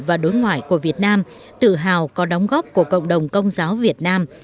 và đối ngoại của việt nam tự hào có đóng góp của cộng đồng công giáo việt nam